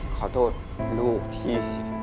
ขอโทษลูกที่